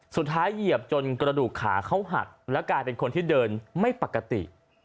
เหยียบจนกระดูกขาเขาหักแล้วกลายเป็นคนที่เดินไม่ปกติ